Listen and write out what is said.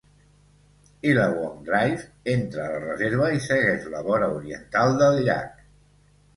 Illawong Drive entra a la reserva i segueix la vora oriental del llac.